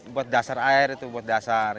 buat dasar air itu buat dasar